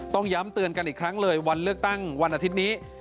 ต้องย้ำเตือนกันอีกครั้งเลยวันเลือกตั้งวันอาทิตย์นี้